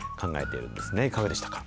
いかがでしたか？